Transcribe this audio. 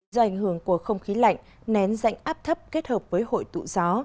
do ảnh hưởng của không khí lạnh nén dạnh áp thấp kết hợp với hội tụ gió